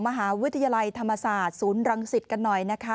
มหาวิทยาลัยธรรมศาสตร์ศูนย์รังสิตกันหน่อยนะคะ